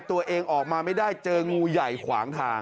ตัวเองออกมาไม่ได้เจองูใหญ่ขวางทาง